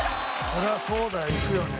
そりゃそうだよいくよね。